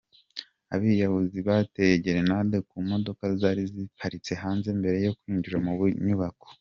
Abiyahuzi bateye gerenade ku modoka zari ziparitse hanze mbere yo kwinjira mu nyubako.